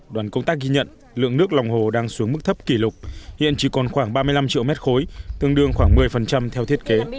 đoàn công tác ghi nhận lượng nước lòng hồ đang xuống mức thấp kỷ lục hiện chỉ còn khoảng ba mươi năm triệu mét khối tương đương khoảng một mươi theo thiết kế